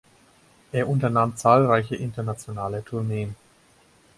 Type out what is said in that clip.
Er unternahm zahlreiche internationale Tourneen.